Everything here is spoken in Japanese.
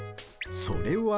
それは。